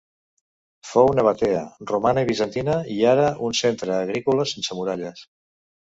Fou nabatea, romana i bizantina i era un centre agrícola sense muralles.